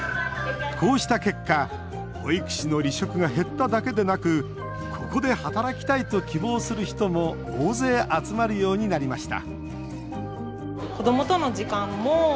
こうした結果保育士の離職が減っただけでなく「ここで働きたい」と希望する人も大勢集まるようになりました